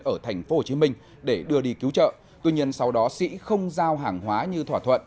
ở thành phố hồ chí minh để đưa đi cứu trợ tuy nhiên sau đó sĩ không giao hàng hóa như thỏa thuận